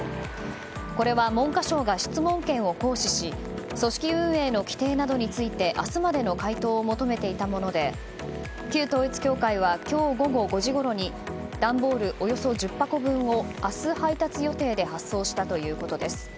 これは文科省が質問権を行使し組織運営の規定などについて明日までの回答を求めていたもので旧統一教会は今日午後５時ごろに段ボールおよそ１０箱分を明日、配達予定で配送したということです。